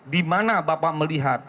di mana bapak melihat